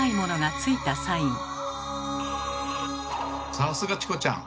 さすがチコちゃん！